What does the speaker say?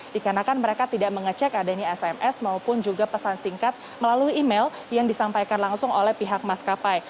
dikarenakan mereka tidak mengecek adanya sms maupun juga pesan singkat melalui email yang disampaikan langsung oleh pihak maskapai